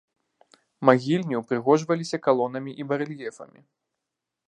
Магільні упрыгожваліся калонамі і барэльефамі.